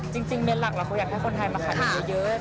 จริงเมนต์หลักเราคงอยากให้คนไทยมาขายด้วยเยอะ